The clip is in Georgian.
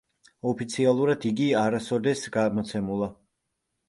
ოფიციალურად იგი არასოდეს გამოცემულა.